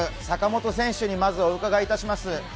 坂本選手に、まずお伺いいたします